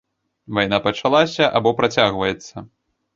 Вайна пачалася або працягваецца?